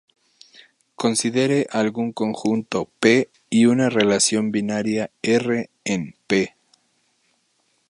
Considere algún conjunto "P" y una relación binaria "R" en "P".